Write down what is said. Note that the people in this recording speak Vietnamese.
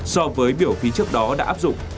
so với biểu phí trước đó đã áp dụng